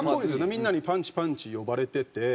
みんなに「パンチ」「パンチ」呼ばれてて。